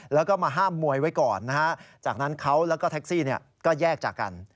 แล้วก็มาห้ามมวยไว้ก่อนนะฮะจากนั้นเขาแล้วก็แท็กซี่ก็แยกจากกัน